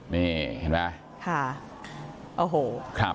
นี่อย่างนั้น